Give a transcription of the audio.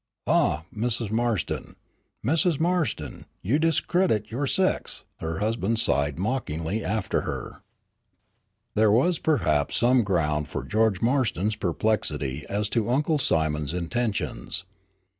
Ah, Mrs. Marston, Mrs. Marston, you discredit your sex!" her husband sighed, mockingly after her. There was perhaps some ground for George Marston's perplexity as to Uncle Simon's intentions.